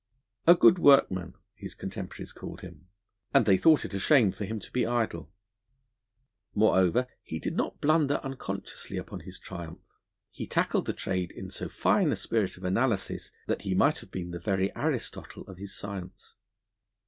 'A good workman,' his contemporaries called him; and they thought it a shame for him to be idle. Moreover, he did not blunder unconsciously upon his triumph; he tackled the trade in so fine a spirit of analysis that he might have been the very Aristotle of his science.